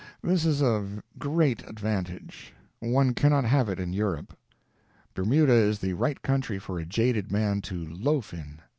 This is a great advantage one cannot have it in Europe. Bermuda is the right country for a jaded man to "loaf" in.